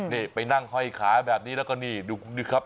นี่ไปนั่งห้อยขาแบบนี้แล้วก็นี่ดูครับ